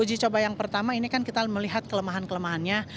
uji coba yang pertama ini kan kita melihat kelemahan kelemahannya